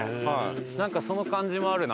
なんかその感じもあるな。